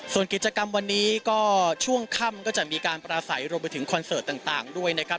ส่วนกิจกรรมวันนี้ก็ช่วงค่ำก็จะมีการประสัยรวมไปถึงคอนเสิร์ตต่างด้วยนะครับ